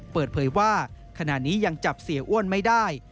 เปิดเผยว่าขณะนี้ยังจับเสียอ้วนไม่ได้